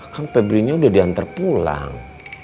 kan febrinya udah diantar pulang